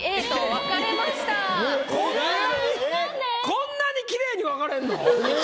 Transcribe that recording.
こんなにきれいに分かれんの？